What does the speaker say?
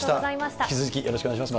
引き続きよろしくお願いします。